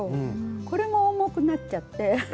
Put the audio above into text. これも重くなっちゃって。